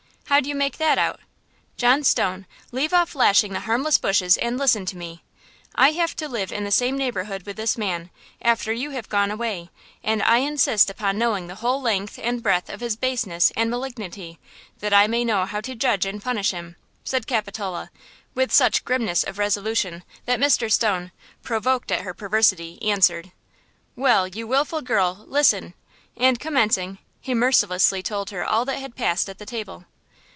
How do you make that out? John Stone, leave off lashing the harmless bushes and listen to me! I have to live in the same neighborhood with this man, after you have gone away, and I insist upon knowing the whole length and breadth of his baseness and malignity, that I may know how to judge and punish him!" said Capitola, with such grimness of resolution that Mr. Stone, provoked at her perversity, answered: "Well, you willful girl, listen!" And commencing, he mercilessly told her all that had passed at the table.